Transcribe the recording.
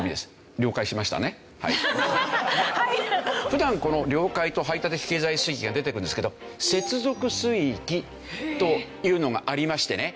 普段この領海と排他的経済水域が出てくるんですけど接続水域というのがありましてね。